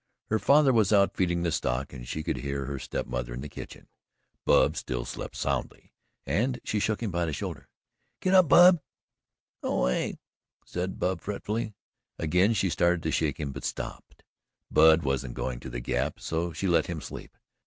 Her father was out feeding the stock and she could hear her step mother in the kitchen. Bub still slept soundly, and she shook him by the shoulder. "Git up, Bub." "Go 'way," said Bub fretfully. Again she started to shake him but stopped Bub wasn't going to the Gap, so she let him sleep.